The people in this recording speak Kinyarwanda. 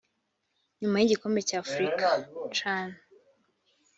nyuma y igikombe cy afurika can